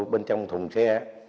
bên trong thùng xe